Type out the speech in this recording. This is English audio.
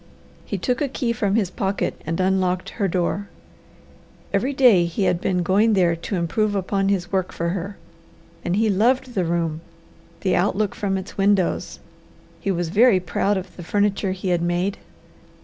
He took a key from his pocket and unlocked her door. Every day he had been going there to improve upon his work for her, and he loved the room, the outlook from its windows; he was very proud of the furniture he had made.